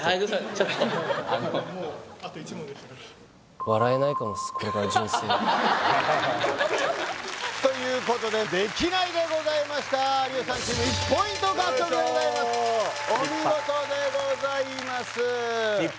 はいということでできないでございました有吉さんチーム１ポイント獲得でございますお見事でございます